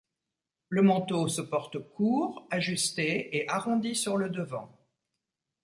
Le manteau se porte court, ajusté et arrondi sur le devant.